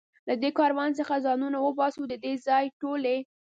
له دې کاروان څخه ځانونه وباسو، د دې ځای ټولې.